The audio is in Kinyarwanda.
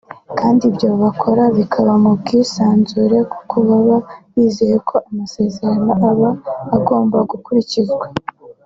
kandi ibyo bakora bikaba mu bwisanzure kuko baba bizeye ko amasezerano aba agomba gukurikizwa